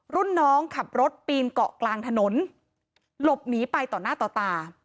รุ่นน้องขับรถปีนเกาะกลางถนนหลบหนีไปต่อหน้าต่อตา